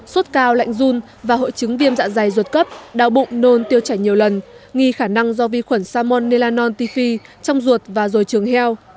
suốt cao lạnh run và hội chứng viêm dạ dày ruột cấp đau bụng nôn tiêu chảy nhiều lần nghi khả năng do vi khuẩn salmon melanon tifi trong ruột và rồi trường heo